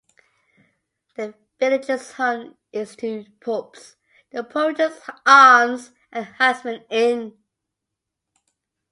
The village is home to two pubs: the Poacher's Arms and Huntsman Inn.